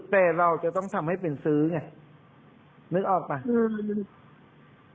แต่เราจะต้องทำให้เป็นซื้อไงนึกออกป่ะอืม